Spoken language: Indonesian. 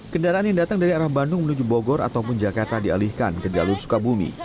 kendaraan yang datang dari arah bandung menuju bogor ataupun jakarta dialihkan ke jalur sukabumi